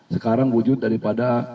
sekarang wujud daripada